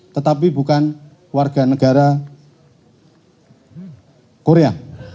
tetapi bukan warga negara korea